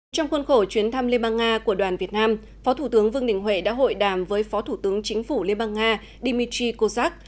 trong khuôn khổ chuyến thăm liên bang nga của đoàn việt nam phó thủ tướng vương đình huệ đã hội đàm với phó thủ tướng chính phủ liên bang nga dmitri kozak